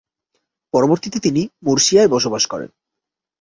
পরবর্তীতে তিনি মুরসিয়ায় বসবাস করেন।